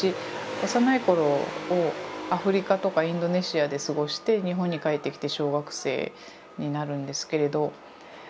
幼い頃をアフリカとかインドネシアで過ごして日本に帰ってきて小学生になるんですけれど。